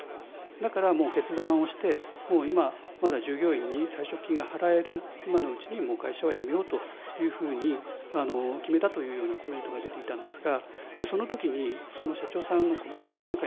だからもう決断をしてもう今まだ従業員に退職金が払える今のうちにもう会社をやめようというふうに決めたというようなコメントが出ていたんですがその時にその社長さんのコメントの中にですね